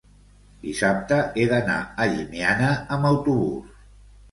dissabte he d'anar a Llimiana amb autobús.